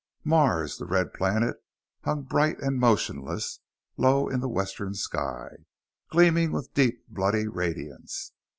Mars, the red planet, hung bright and motionless, low in the western sky, gleaming with deep bloody radiance.